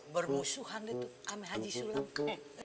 bermusuhan dia tuh ame haji sulam